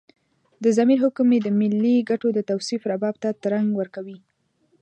د ضمیر حکم مې د ملي ګټو د توصيف رباب ته ترنګ ورکوي.